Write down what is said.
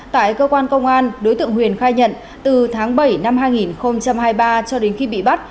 tại cơ quan công an đối tượng huyền khai nhận từ tháng bảy năm hai nghìn hai mươi ba cho đến khi bị bắt